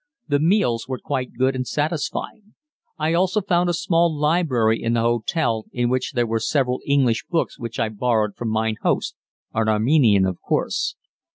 The meals were quite good and satisfying. I also found a small library in the hotel in which there were several English books which I borrowed from mine host an Armenian, of course.